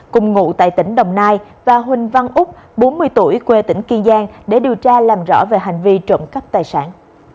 cùng ngụ tại tỉnh đồng nai và huỳnh văn úc bốn mươi tuổi quê tỉnh kiên giang để điều tra làm rõ về hành vi trộm cắp tài sản